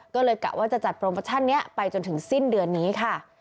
ก็เลยกะว่าจะจัดโปรโมชั่นนี้ไปจนถึงสิ้นเดือนนี้ค่ะ